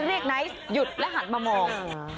ไนท์หยุดและหันมามอง